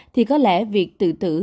thì có lẽ việc tự tử